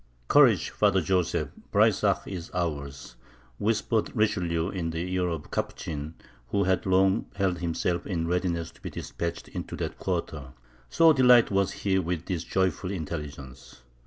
"Courage, Father Joseph, Breysach is ours!" whispered Richelieu in the ear of the Capuchin, who had long held himself in readiness to be despatched into that quarter; so delighted was he with this joyful intelligence.